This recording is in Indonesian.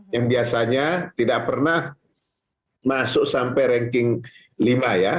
yang biasanya tidak pernah masuk sampai ranking lima ya